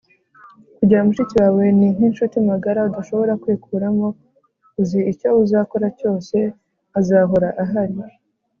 kugira mushiki wawe ni nkinshuti magara udashobora kwikuramo. uzi icyo uzakora cyose. azahora ahari